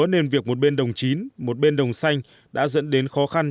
và đó nên việc một bên đồng chín một bên đồng xanh đã dẫn đến khó khăn